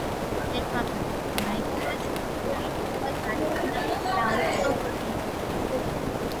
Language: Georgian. ერთმა გრძნეულმა ექიმმა შეგირდი აიყვანა, გაწვრთნა და უცხო გრძნეულებები ასწავლა.